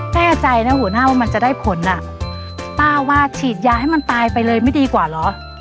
แน่ใจนะหัวหน้าว่ามันจะได้ผลอ่ะป้าว่าฉีดยาให้มันตายไปเลยไม่ดีกว่าเหรอ